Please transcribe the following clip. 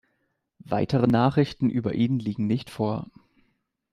Weitere Nachrichten über ihn liegen nicht vor.